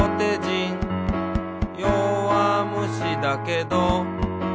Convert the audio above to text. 「よわむしだけど」